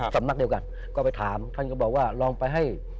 สำนักเดียวกันก็ไปถามท่านก็บอกว่าลองไปให้